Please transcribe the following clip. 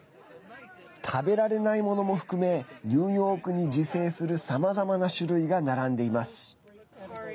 食べられないものも含めニューヨークに自生するさまざまな種類が並んでいます。